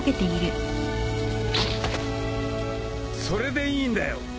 それでいいんだよ。